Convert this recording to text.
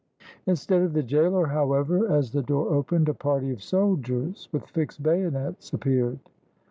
Instead of the gaoler, however, as the door opened, a party of soldiers with fixed bayonets appeared.